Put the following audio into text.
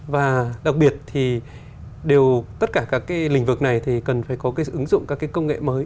và đặc biệt thì đều tất cả các cái lĩnh vực này thì cần phải có cái ứng dụng các cái công nghệ mới